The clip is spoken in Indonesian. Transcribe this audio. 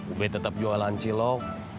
ube tetap jualan cilok